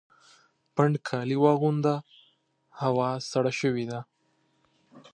پنډ کالي واغونده ! هوا سړه سوې ده